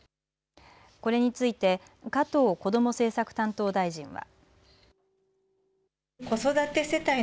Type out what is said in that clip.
これについて加藤こども政策担当大臣は。